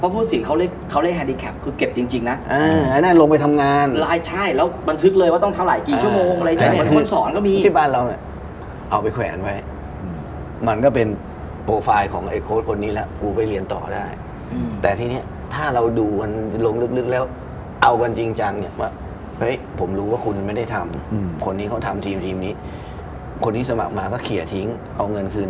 เท่าไหร่กี่ชั่วโมงอะไรอย่างเนี้ยคนสอนก็มีที่บ้านเราเนี้ยเอาไปแขวนไว้อืมมันก็เป็นของไอ้โค้ดคนนี้แล้วกูไปเรียนต่อได้อืมแต่ที่เนี้ยถ้าเราดูมันลงลึกลึกแล้วเอากันจริงจังเนี้ยว่าเฮ้ยผมรู้ว่าคุณไม่ได้ทำอืมคนนี้เขาทำทีมทีมนี้คนที่สมัครมาก็เขียนทิ้งเอาเงินคื